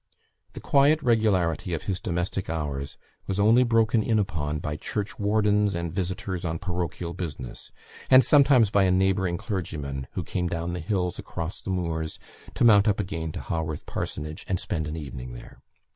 The quiet regularity of his domestic hours was only broken in upon by church wardens, and visitors on parochial business; and sometimes by a neighbouring clergyman, who came down the hills, across the moors, to mount up again to Haworth Parsonage, and spend an evening there.